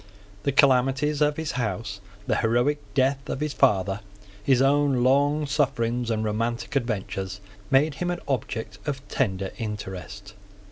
The calamities of his house, the heroic death of his father, his own long sufferings and romantic adventures, made him an object of tender interest.